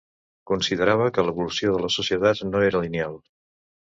Considerava que l'evolució de les societats no era lineal.